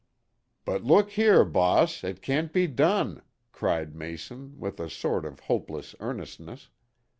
"But look here, boss, it can't be done," cried Mason, with a sort of hopeless earnestness.